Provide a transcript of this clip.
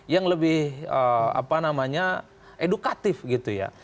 yang lebih apa namanya edukatif gitu ya